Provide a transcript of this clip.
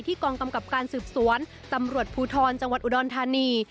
กองกำกับการสืบสวนตำรวจภูทรจังหวัดอุดรธานี